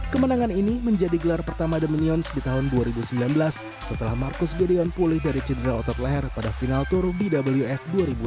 kemenangan ini menjadi gelar pertama the minions di tahun dua ribu sembilan belas setelah marcus gideon pulih dari cedera otot leher pada final tour bwf dua ribu enam belas